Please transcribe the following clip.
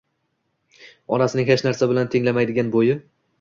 Onasining hech narsa bilan tenglanmaydigan bo‘yi